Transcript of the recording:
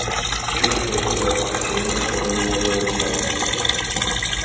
Чувство это было так сильно, что он невольно улыбался.